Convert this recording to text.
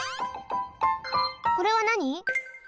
これはなに？